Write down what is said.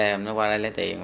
em nói qua đây lấy tiền